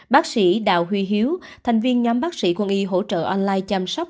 bác sĩ đào huy hiếu thành viên nhóm bác sĩ quân y hỗ trợ online chăm sóc